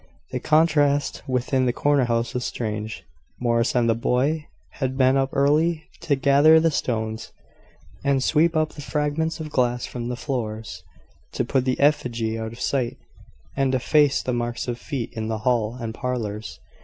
The contrast within the corner house was strange. Morris and the boy had been up early to gather the stones, and sweep up the fragments of glass from the floors, to put the effigy out of sight, and efface the marks of feet in the hall and parlours.